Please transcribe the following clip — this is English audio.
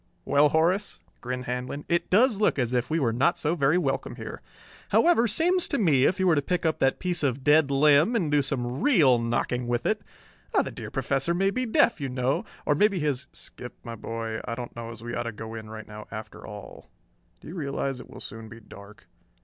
"Well, Horace," grinned Handlon, "it does look as if we were not so very welcome here. However, seems to me if you were to pick up that piece of dead limb and do some real knocking with it.... The dear Professor may be deaf, you know, or maybe he's " "Skip, my boy, I don't know as we ought to go in right now after all. Do you realize it will soon be dark?"